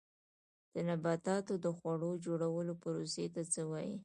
د نباتاتو د خواړو جوړولو پروسې ته څه وایي